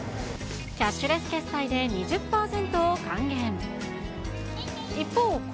キャッシュレス決済で２０％